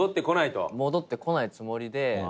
玉森：戻ってこないつもりで。